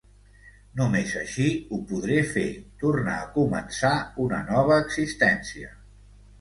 Només així ho podré fer, tornar a començar una nova existència.